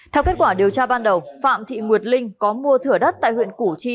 theo kết quả điều tra ban đầu phạm thị nguyệt linh có mua thửa đất tại huyện củ chi